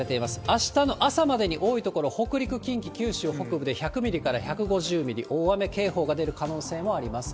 あしたの朝までに多い所、北陸、近畿、九州北部で１００ミリから１５０ミリ、大雨警報が出る可能性もあります。